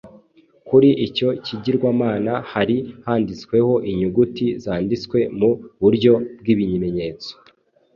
Kuri icyo kigirwamana hari handitsweho inyuguti zanditswe mu buryo bw’ibimenyetso